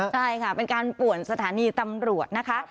ใช่ค่ะเป็นการป่วนสถานีตำรวจนะคะ